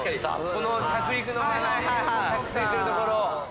この着陸の着水するところ。